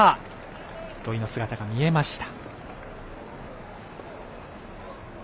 土居の姿が見えました。